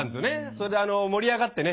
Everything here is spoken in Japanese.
それであの盛り上がってね